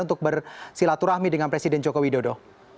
untuk bersilaturahmi dengan presiden joko widodo